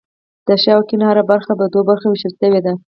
د ښي او کیڼ هره برخه په دوو برخو ویشل شوې ده.